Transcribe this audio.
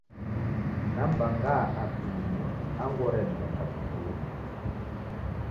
Nam'mbanga Apini angu oren'neka vipini.